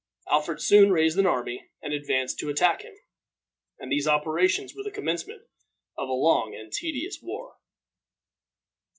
Alfred soon raised an army and advanced to attack him; and these operations were the commencement of a long and tedious war.